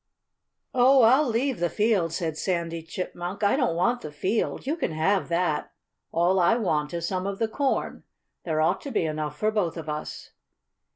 "Oh! I'll leave the field," said Sandy Chipmunk. "I don't want the field. You can have that. All I want is some of the corn. There ought to be enough for both of us."